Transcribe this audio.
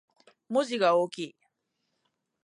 文字が大きい